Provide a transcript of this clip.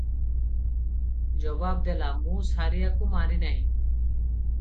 ଜବାବ ଦେଲା- "ନୁଁ ସାରିଆକୁ ମାରିନାହିଁ ।